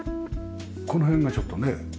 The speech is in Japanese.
この辺がちょっとね